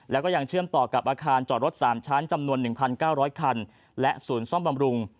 แล้วก็ยังเชื่อมต่อกับอาคารจอดรถ๓ชั้นจำนวน๑๙๐๐คันและศูนย์ซ่อมบำรุง